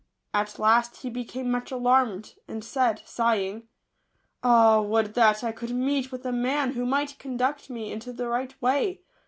At last he became much alarmed, and said, sighing :" Ah, would that I could meet with a man who might conduct me into the right way